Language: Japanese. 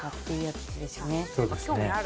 そうですね。